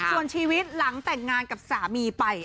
ส่วนชีวิตหลังแต่งงานกับสามีไป